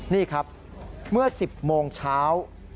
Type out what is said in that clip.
นี่ครับเมื่อ๑๐โมงเช้า